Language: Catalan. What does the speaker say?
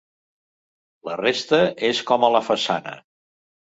La resta és com a la façana.